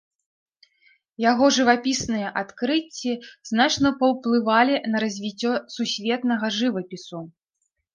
Яго жывапісныя адкрыцці значна паўплывалі на развіццё сусветнага жывапісу.